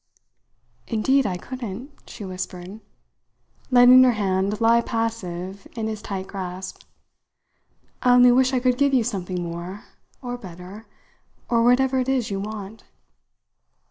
"Indeed I couldn't," she whispered, letting her hand lie passive in his tight grasp. "I only wish I could give you something more, or better, or whatever it is you want."